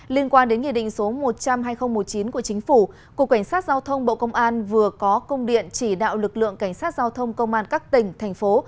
liên quan đến nghị định số một trăm linh hai nghìn một mươi chín của chính phủ cục cảnh sát giao thông bộ công an vừa có công điện chỉ đạo lực lượng cảnh sát giao thông công an các tỉnh thành phố